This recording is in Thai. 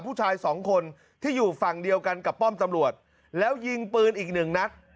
ผู้ชายสองคนที่อยู่ฝั่งเดียวกันกับป้อมตำรวจแล้วยิงปืนอีกหนึ่งนัด